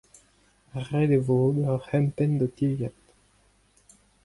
ret e vo ober ur c'hempenn d'ho tilhad.